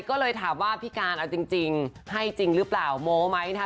ก็เลยถามว่าพี่การเอาจริงให้จริงหรือเปล่าโม้ไหมนะคะ